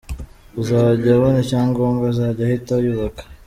Uzajya abona icyangombwa azajya ahita yubaka.